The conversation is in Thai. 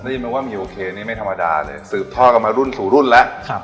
ได้ยินไหมว่ามีโอเคนี่ไม่ธรรมดาเลยสืบทอดกันมารุ่นสู่รุ่นแล้ว